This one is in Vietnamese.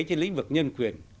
trên lĩnh vực nhân quyền